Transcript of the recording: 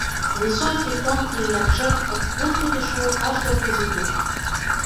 Высокі, тонкі, як жэрдка, ён падышоў аж да прэзідыума.